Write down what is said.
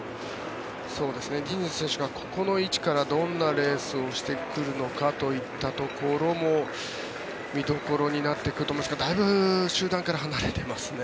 ディニズ選手がここの位置からどんなレースをしてくるのかといったところも見どころになってくると思いますがだいぶ集団から離れていますね。